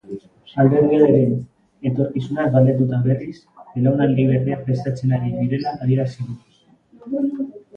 Alderdiaren etorkizunaz galdetuta berriz, belaunaldi berria prestatzen ari direla adierazi du.